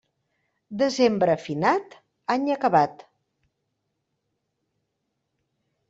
Desembre finat, any acabat.